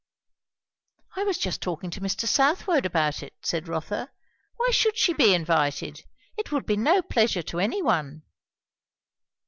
"I was just talking to Mr. Southwode about it," said Rotha. "Why should she be invited? It would be no pleasure to any one."